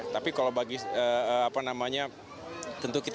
tapi kalau bagi apa namanya tentu kita